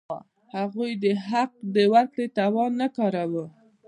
هغوی د حق د ورکړې توان نه کاراوه.